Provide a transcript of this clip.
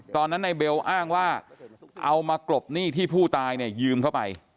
ตอนนั้นนายเบลอ้างว่าเอามากรบหนี้ที่ผู้ตายเนี่ยยืมเข้าไป